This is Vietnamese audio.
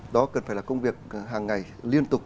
đó cần phải là công việc hàng ngày liên tục